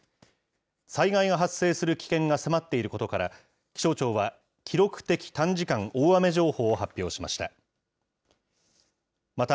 災害が発生する危険が迫っていることから、気象庁は、記録的短時間大雨情報を発表しました。